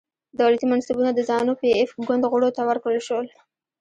دولتي منصبونه د زانو پي ایف ګوند غړو ته ورکړل شول.